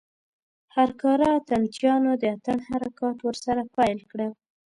هر کاره اتڼ چيانو د اتڼ حرکات ورسره پيل کړل.